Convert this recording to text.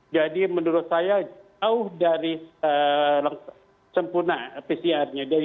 jadi menurut saya jauh dari sempurna pcrnya